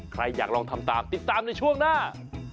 ใครอยากลองทำตามติดตามในช่วงหน้า